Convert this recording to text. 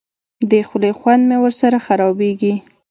د خولې خوند مې ورسره خرابېږي.